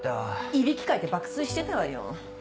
いびきかいて爆睡してたわよ。